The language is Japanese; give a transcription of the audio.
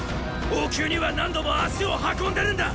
王宮には何度も足を運んでるんだ！